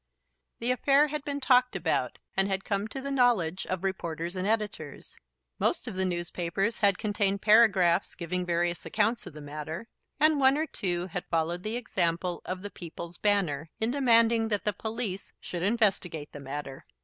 The affair had been talked about, and had come to the knowledge of reporters and editors. Most of the newspapers had contained paragraphs giving various accounts of the matter; and one or two had followed the example of The People's Banner in demanding that the police should investigate the matter.